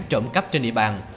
trộm cắp trên địa bàn